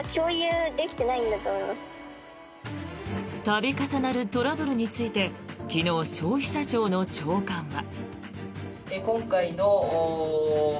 度重なるトラブルについて昨日、消費者庁の長官は。